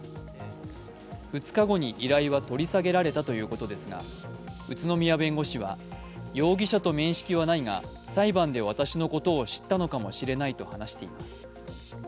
２日後に依頼は取り下げられたということですが宇都宮弁護士は容疑者と面識はないが裁判で私のことを知ったのかもしれないと話しています。